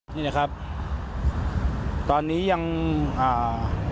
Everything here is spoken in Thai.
นี่นะครับตอนนี้ยังอ่า